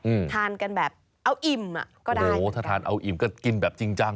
อืมทานกันแบบเอาอิ่มอ่ะก็ได้โอ้โหถ้าทานเอาอิ่มก็กินแบบจริงจัง